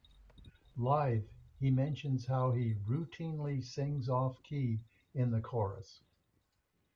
Live", he mentions how he "routinely sings off-key in the chorus.